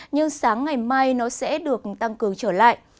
nhưng sáng ngày mai nó sẽ được tăng cường trở lại